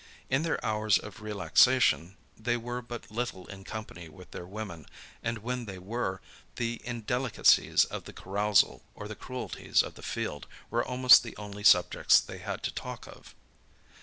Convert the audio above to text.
In their hours of relaxation, they were but little in company with their women; and when they were, the indelicacies of the carousal, or the cruelties of the field, were almost the only subjects they had to talk of.